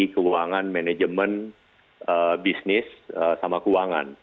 keuangan manajemen bisnis sama keuangan